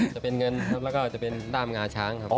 ก็เป็นเงินแล้วก็จะเป็นด้ำงาช้างครับ